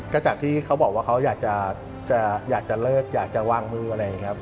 ก็จากที่เขาบอกว่าเขาอยากจะเลิกอยากจะวางมืออะไรอย่างนี้ครับ